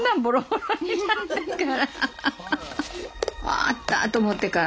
あった！と思ってから。